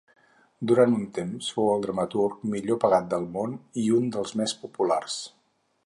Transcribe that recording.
Durant un temps fou el dramaturg millor pagat del món i un dels més populars.